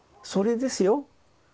それですよ。